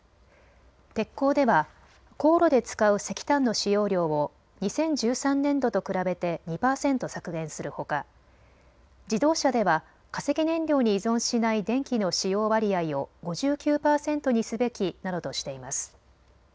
鉄鋼では高炉で使う石炭の使用量を２０１３年度と比べて２％削減するほか自動車では化石燃料に依存しない電気の使用割合を５９％にすべきなどとしています。